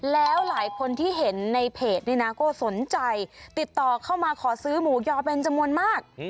แล้วหลายคนที่เห็นในเพจนี่นะก็สนใจติดต่อเข้ามาขอซื้อหมูยอเป็นจำนวนมาก